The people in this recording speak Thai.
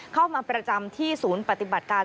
เข้ามาประจำที่ศูนย์ปฏิบัติการ